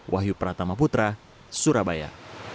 wahyu pratama putra surabaya